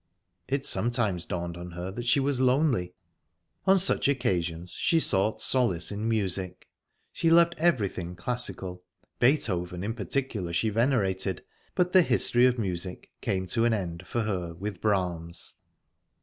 It sometimes dawned on her that she was lonely. On such occasions she sought solace in music. She loved everything classical, Beethoven in particular she venerated, but the history of music came to an end, for her, with Brahms.